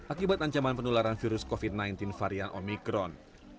akibat ancaman penularan virus covid sembilan belas varian omikron